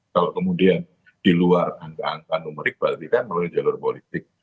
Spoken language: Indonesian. kalau kemudian di luar angka angka numerik berarti kan melalui jalur politik